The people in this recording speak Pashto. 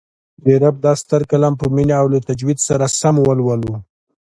د رب دا ستر کلام په مینه او له تجوید سره سم ولولو